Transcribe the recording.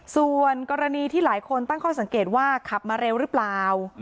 ส่วนกรณีที่หลายคนตั้งข้อสังเกตว่าขับมาเร็วหรือเปล่า